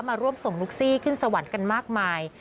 มาร่วมส่งลูกซี่ขึ้นสวรรค์กันมากมาย